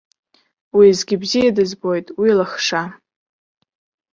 Уеизгьы бзиа дызбоит уи алахша!